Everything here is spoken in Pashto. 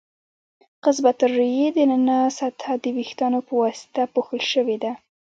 قصبة الریې د ننه سطحه د وېښتانو په واسطه پوښل شوې ده.